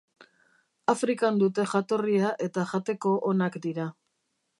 Afrikan dute jatorria eta jateko onak dira.